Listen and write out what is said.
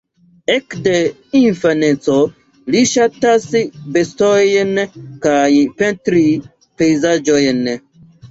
Ekde infaneco li ŝatas bestojn kaj pentri pejzaĝojn.